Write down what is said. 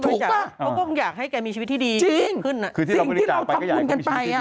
เขาก็คงอยากให้แกมีชีวิตที่ดีจริงขึ้นอ่ะสิ่งที่เราทำบุญกันไปอ่ะ